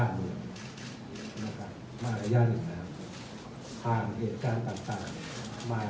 ก็ในรามกับท่าสูตรประโยชน์ทุกคนเนี่ย